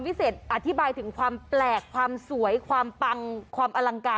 พิเศษอธิบายถึงความแปลกความสวยความปังความอลังการ